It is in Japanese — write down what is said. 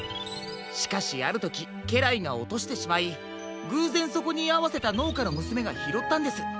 しかしあるときけらいがおとしてしまいぐうぜんそこにいあわせたのうかのむすめがひろったんです。